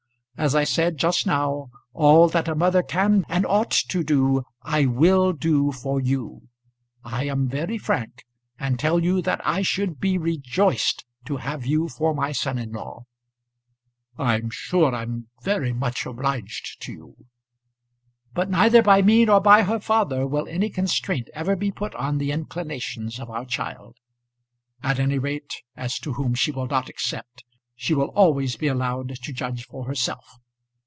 As I said just now, all that a mother can and ought to do I will do for you. I am very frank, and tell you that I should be rejoiced to have you for my son in law." "I'm sure I'm very much obliged to you." "But neither by me nor by her father will any constraint ever be put on the inclinations of our child. At any rate as to whom she will not accept she will always be allowed to judge for herself.